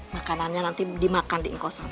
makanannya nanti dimakan di inkosong